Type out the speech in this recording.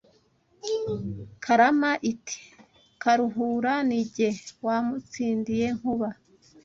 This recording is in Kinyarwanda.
Karama iti: Karuhura Ni jye wamutsindiye Nkuba